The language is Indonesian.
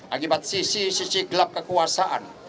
akibat sisi sisi gelap kekuasaan